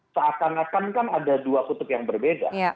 seakan akan kan ada dua kutub yang berbeda